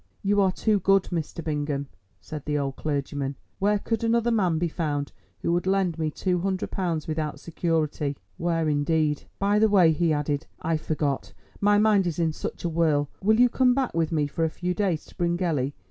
"You are too good, Mr. Bingham," said the old clergyman. "Where could another man be found who would lend me £200 without security?" (where indeed!) "By the way," he added, "I forgot; my mind is in such a whirl. Will you come back with me for a few days to Bryngelly?